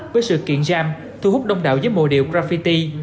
với sự kiện jam thu hút đông đạo với mô điệu graffiti